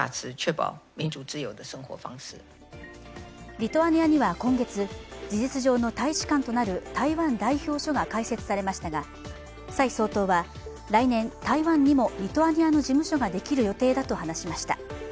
リトアニアには今月事実上の大使館となる台湾代表処が開設されましたが蔡総統は来年、台湾にもリトアニアの事務所ができる予定だと離しました。